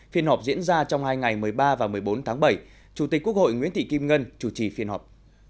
phiên họp diễn ra trong hai ngày một mươi ba và một mươi bốn tháng bảy chủ tịch quốc hội nguyễn thị kim ngân chủ trì phiên họp